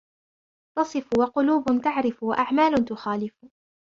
تَصِفُ ، وَقُلُوبٍ تَعْرِفُ ، وَأَعْمَالٍ تُخَالِفُ